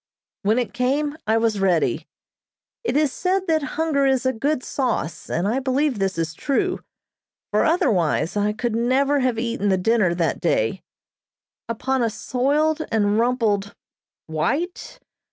When it came I was ready. It is said that hunger is a good sauce, and I believe this is true, for otherwise I could never have eaten the dinner that day. Upon a soiled and rumpled white